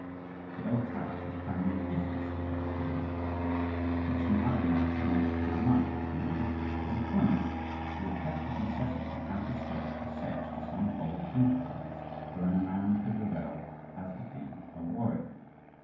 But old Taras was planning a different sphere of activity for them. Such an idle life was not to his mind; he wanted active employment. He reflected incessantly how to stir up the Setch to some bold enterprise, wherein a man could revel as became a warrior.